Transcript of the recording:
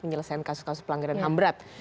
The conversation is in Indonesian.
penyelesaian kasus kasus pelanggaran ham berat